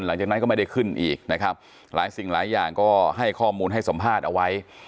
หลังจากนั้นก็ไม่ได้ขึ้นอีกนะครับหลายสิ่งหลายอย่างก็ให้ข้อมูลให้สัมภาษณ์เอาไว้